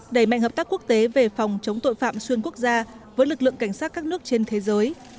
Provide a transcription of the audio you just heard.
đẩy mạnh hợp tác quốc tế về phòng chống tội phạm xuyên quốc gia với lực lượng cảnh sát các nước trên thế giới